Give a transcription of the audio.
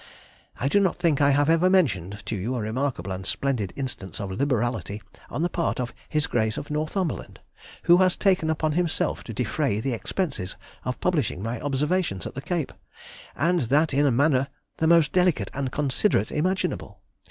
I do not think I have ever mentioned to you a remarkable and splendid instance of liberality on the part of His Grace of Northumberland, who has taken upon himself to defray the expenses of publishing my observations at the Cape, and that in a manner the most delicate and considerate imaginable.